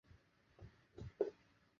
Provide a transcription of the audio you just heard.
总兵府的历史年代为明代。